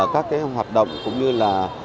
các hoạt động cũng như là